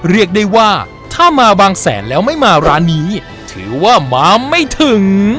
เรียกได้ว่าถ้ามาบางแสนแล้วไม่มาร้านนี้ถือว่ามาไม่ถึง